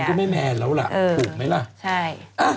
มันก็ไม่แมนแล้วล่ะถูกไหมล่ะ